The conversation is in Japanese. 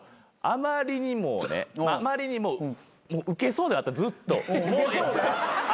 あまりにもねあまりにもウケそうではあったずっと。